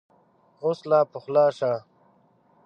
اوس لا پخلا شه !